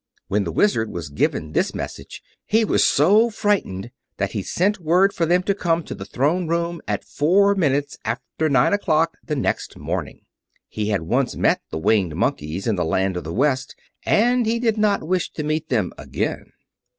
When the Wizard was given this message he was so frightened that he sent word for them to come to the Throne Room at four minutes after nine o'clock the next morning. He had once met the Winged Monkeys in the Land of the West, and he did not wish to meet them again.